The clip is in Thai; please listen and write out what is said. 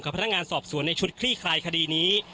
พนักงานสอบสวนในชุดคลี่คลายคดีนี้